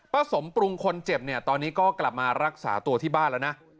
สมปรุงคนเจ็บเนี่ยตอนนี้ก็กลับมารักษาตัวที่บ้านแล้วนะ